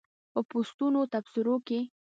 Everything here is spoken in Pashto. په پوسټونو تبصرو کې